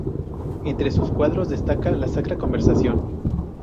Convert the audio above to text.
Entre sus cuadros destaca la "Sacra Conversación".